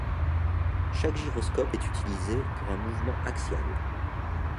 Chaque gyroscope est utilisé pour un mouvement axial.